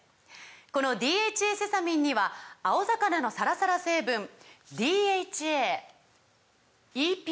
この「ＤＨＡセサミン」には青魚のサラサラ成分ＤＨＡＥＰＡ